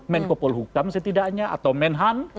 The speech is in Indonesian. menkopolhukam setidaknya atau menhan